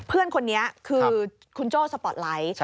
เพื่อนคนนี้คือคุณโจ้สปอร์ตไลท์